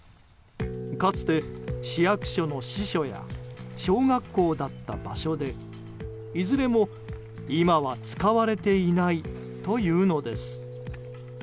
かつて、市役所の支所や小学校だった場所でいずれも今は使われていないというのです。